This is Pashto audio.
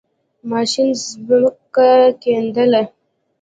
ماشین زَمکه کیندله.